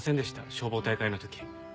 消防大会の時。